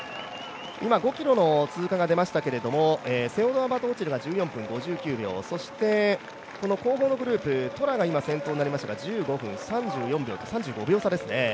今５ｋｍの通過が出ましたけれどもセルオド・バトオチルが、１４分５９秒、そして広報のグループトラが先頭になりましたが１５分３４秒と３５秒差ですね。